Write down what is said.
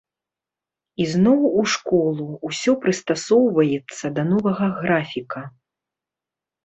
Ізноў у школу, усё прыстасоўваецца да новага графіка.